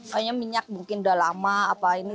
soalnya minyak mungkin udah lama apa ini